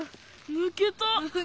ぬけた！